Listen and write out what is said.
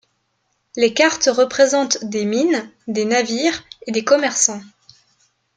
Les cartes représentent des mines, des navires et des commerçants.